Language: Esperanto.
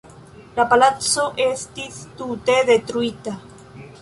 La palaco estis tute detruita.